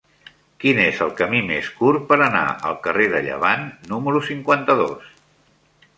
Quin és el camí més curt per anar al carrer de Llevant número cinquanta-dos?